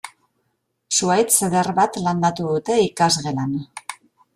Zuhaitz eder bat landatu dute ikasgelan.